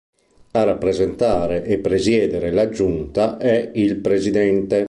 A rappresentare e presiedere la Giunta è il Presidente.